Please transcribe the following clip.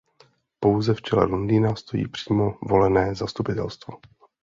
Pouze v čele Londýna stojí přímo volené zastupitelstvo.